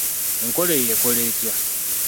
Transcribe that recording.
Enkola eyo ekola etya?